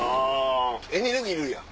エネルギーいるやん。